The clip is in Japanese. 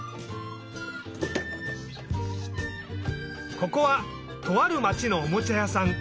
ここはとあるまちのおもちゃやさん。